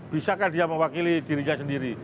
bisakah dia mewakili dirinya sendiri